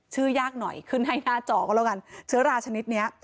ยากหน่อยขึ้นให้หน้าจอก็แล้วกันเชื้อราชนิดเนี้ย